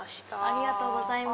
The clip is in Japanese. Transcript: ありがとうございます。